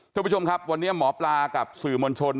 ทุกผู้ชมครับวันนี้หมอปลากับสื่อมวลชน